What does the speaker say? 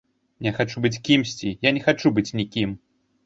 Я хачу быць кімсьці, я не хачу быць нікім.